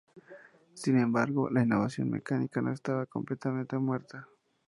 Sin embargo, la innovación mecánica no estaba completamente muerta.